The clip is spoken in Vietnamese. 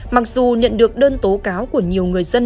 mặc dù nhận được đơn tố cáo của nhiều người dân